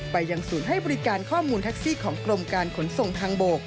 ยังศูนย์ให้บริการข้อมูลแท็กซี่ของกรมการขนส่งทางบก